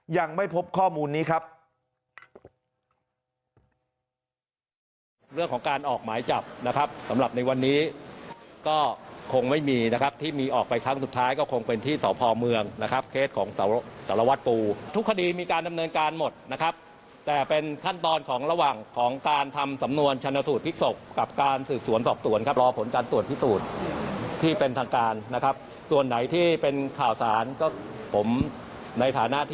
ยังไม่พบข้อมูลนี้ครับ